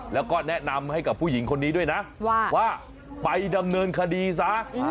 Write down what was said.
แล้วก็แนะนำให้กับผู้หญิงคนนี้ด้วยนะว่าไปดำเนินคดีซะ